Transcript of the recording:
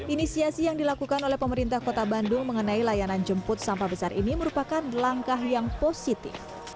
inisiasi yang dilakukan oleh pemerintah kota bandung mengenai layanan jemput sampah besar ini merupakan langkah yang positif